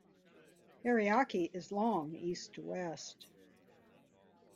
Ariake is long east to west.